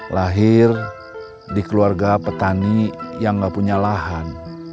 lahir di keluarga petani yang nggak punya lahan